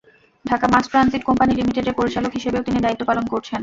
Dhaka mass transit company লিমিডেটের পরিচালক হিসেবেও তিনি দায়িত্ব পালন করছেন।